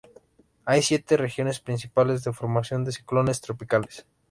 Hay siete regiones principales de formación de ciclones tropicales.